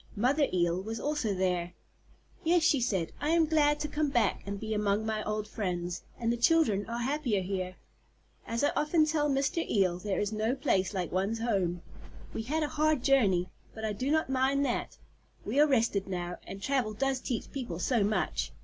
Mother Eel was also there. "Yes," she said "I am glad to come back and be among my old friends, and the children are happier here. As I often tell Mr. Eel, there is no place like one's home. We had a hard journey, but I do not mind that. We are rested now, and travel does teach people so much.